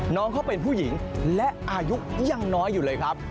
น้องเขาเป็นผู้หญิงและอายุยังน้อยอยู่เลยครับ